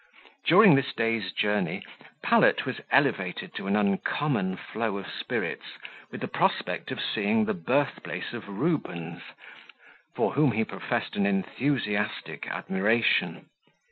During this day's journey Pallet was elevated to an uncommon flow of spirits, with the prospect of seeing the birthplace of Rubens, for whom he professed an enthusiastic admiration.